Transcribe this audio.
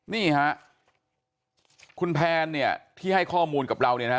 นี่ฮะคุณแพนเนี่ยที่ให้ข้อมูลกับเราเนี่ยนะ